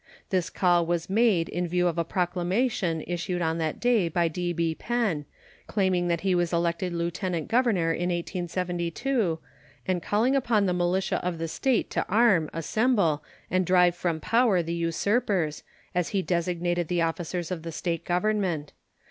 This call was made in view of a proclamation issued on that day by D.B. Penn, claiming that he was elected lieutenant governor in 1872, and calling upon the militia of the State to arm, assemble, and drive from power the usurpers, as he designated the officers of the State government.